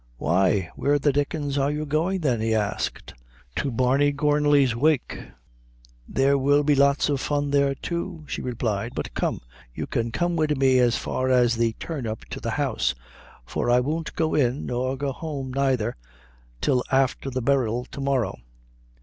"Why, where the dickens are you goin' then?" he asked. "To Barny Gorrnly's wake; there 'ill be lots of fun there, too," she replied. "But come you can come wid me as far as the turn up to the house; for I won't go in, nor go home neither, till afther the berril, tomorrow."